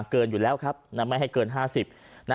เกินอยู่แล้วครับไม่ให้เกิน๕๐นะ